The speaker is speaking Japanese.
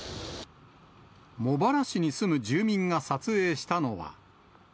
茂原市に住む住民が撮影したのは。